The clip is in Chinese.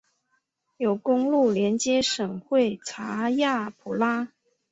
有公路连接省会查亚普拉。